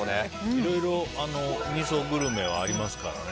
いろいろみそグルメはありますからね。